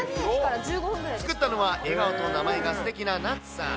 作ったのは、笑顔と名前がすてきな夏さん。